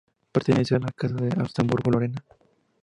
Pertenecía a la Casa de Habsburgo-Lorena.